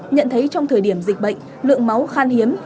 nhận thấy trong thời điểm dịch bệnh lượng máu khan hiếm